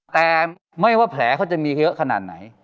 แต่ไม่ว่าแผลเขาจะมีเยอะขนาดไหน